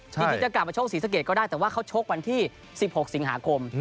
จริงจะกลับมาชกศรีสะเกดก็ได้แต่ว่าเขาชกวันที่๑๖สิงหาคม